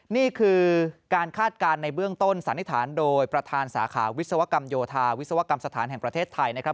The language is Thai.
นี่คือการคาดการณ์ในเบื้องต้นสันนิษฐานโดยประธานสาขาวิศวกรรมโยธาวิศวกรรมสถานแห่งประเทศไทยนะครับ